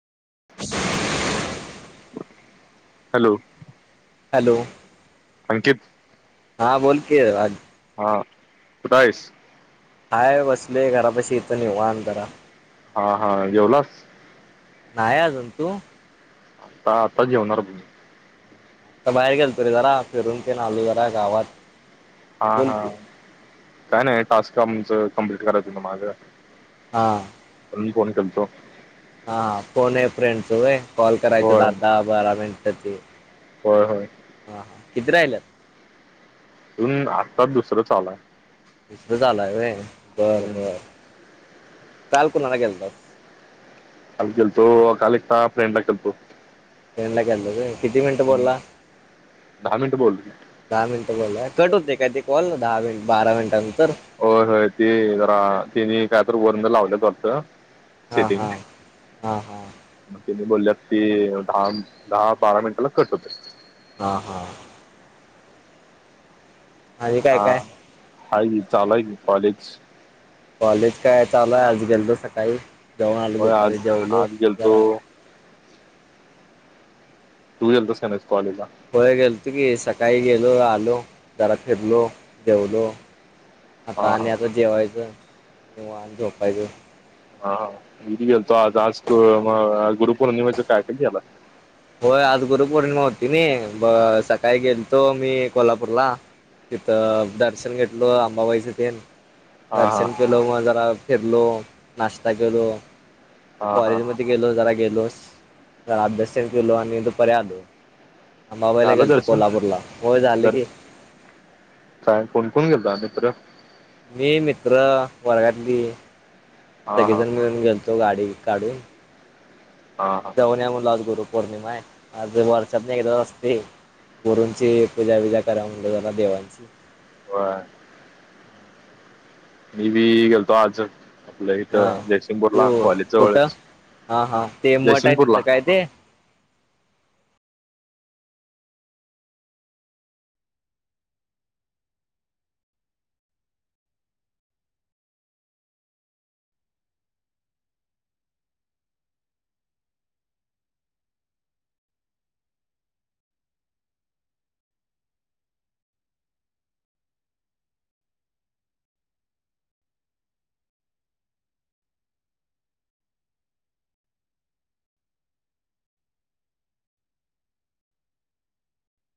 Hello. Hello Ankit हा बोल की राज हां कुठ आहेस? हाय बसलोय घरापाशी इथं निवांत आता. हा हा जेवलास. नाय अजून तू? हां आता जेवणार बघ. तर बाहेर गेलतो रे जरा फिरून तेन आलू जरा गावात हा बोल हा की काय नाही टास्क आमचं कंप्लीट करायचं होत माझं. हां. तर मी फोन केलतो. हां फोन अ फ्रेंडच व्हय कॉल करायच दहा होय दहा बारा मिनिटची. होय. होय. हा हा किती राहिल्यात. अजून आत्ताच दुसरं चालू हाय. तस झालंय बरं हम्म. बर काल कुणाला केलंतास? अ काल केलतो काल एका फ्रेंडला केलतो. फ्रेंड ला केलं व्हय. किती मिनिट हम्म. बोलला? दहा मिनिटं बोललो दहा मिनिटं बोल. कट होते काय ते कॉल दहा मि बारा मिनिटानंतर होय होय ती जरा तिने काय तर [unintelligible] लावलय वाटत हा सेटिंग. हा हा हा मग तिने बोलल्यात ती दहा दहा बारा मिनिटाला कट होते. हा हा. आणि काय हा काय हाई चालूय की कॉलेज. कॉलेज काय चालू आहे आज गेलतो सकाळी जाऊन आलो होय दुपारी आज जेवलो आज गेलतो जरा तू गेलतास का नाही कॉलेजला. होय गेलतो की सकाळी गेलो आलो जरा फिरलो जेवलो हा आता हा आणि आता जेवायचं, निवांत झोपायचं हा हा मी पण गेलतो आज आज अह गुरु पौर्णिमेचं काय का घ्याला होय आज गुरुपोर्णिमा होती नाय, ब सकाळी गेलतो मी कोल्हापूरला तिथं दर्शन घेतलो अंबाबाईच ते हा हा दर्शन केल मग जरा फिरलो नाश्ता केलो हा हा कॉलेजमध्ये ध्ये गेलो जरा गेलो जरा अभ्यास तरी केलो आणि दुपारी आलो. अंबाबाईला झालं गेलतो दर्शन कोल्हापूरला, होय झाल की कारण कोण कोण गेलत अह मित्र? मी मित्र वर्गातली, हा हा सगळीजण मिळून गेलतो गाडी काढून. हा हा जाऊन या म्हणलं आज गुरुपौर्णिमा आहे आज वर्षातन एकदाच असते गुरूंची पूजा विजा करा म्हणलं जरा देवांची व्हय. मी बी गेलतो आज. आपलं हा इथं तू जयसिंगपूरला कॉलेज कुठं जवळच हा हा ते मठ आहे जयसिंगपूर तिथं ला काय ते